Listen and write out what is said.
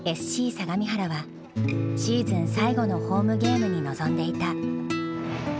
相模原はシーズン最後のホームゲームに臨んでいた。